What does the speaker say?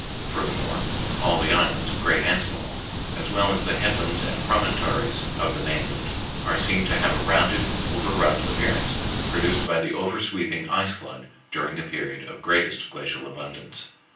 Furthermore, all the islands, great and small, as well as the headlands and promontories of the mainland, are seen to have a rounded, over rubbed appearance produced by the over sweeping ice flood during the period of greatest glacial abundance.